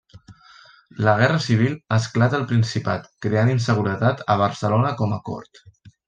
La guerra civil esclata al Principat, creant inseguretat a Barcelona com a cort.